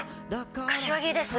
柏木です。